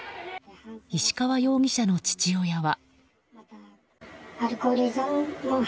石川容疑者の父親は。